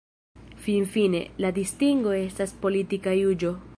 Finfine, la distingo estas politika juĝo.